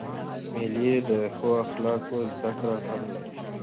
مېلې د ښو اخلاقو زدهکړه هم لري.